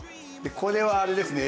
これはあれですね